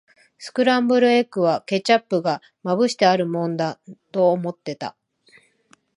スクランブルエッグは、ケチャップがまぶしてあるもんだと思ってた。